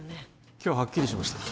今日はっきりしました